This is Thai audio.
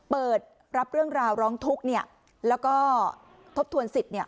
เปิดรับเรื่องราวร้องทุกข์แล้วก็ทบทวนสิทธิ์